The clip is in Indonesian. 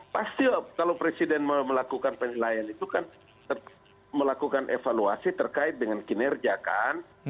pasti kalau presiden melakukan penilaian itu kan melakukan evaluasi terkait dengan kinerja kan